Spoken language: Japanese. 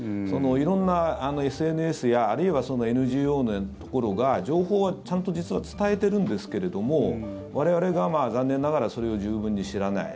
色んなＳＮＳやあるいはＮＧＯのようなところが情報はちゃんと実は伝えてるんですけれども我々が残念ながらそれを十分に知らない。